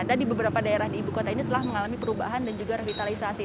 dan di beberapa daerah di ibu kota ini telah mengalami perubahan dan juga revitalisasi